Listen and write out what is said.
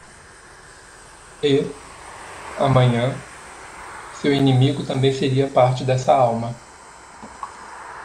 E? amanhã? seu inimigo também seria parte dessa Alma.